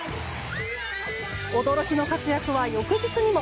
驚きの活躍は翌日にも。